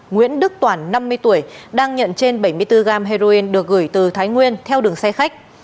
nguyễn đức toản năm mươi tuổi đang nhận trên bảy mươi bốn gram heroin được gửi từ thái nguyên theo đường xe khách